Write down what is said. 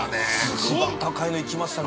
◆一番高いのいきましたね。